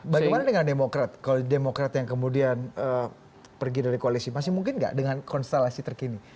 bagaimana dengan demokrat kalau demokrat yang kemudian pergi dari koalisi masih mungkin nggak dengan konstelasi terkini